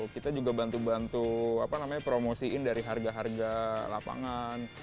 kita juga bantu bantu promosiin dari harga harga lapangan